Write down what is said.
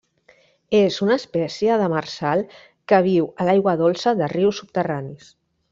És una espècie demersal que viu a l'aigua dolça de rius subterranis.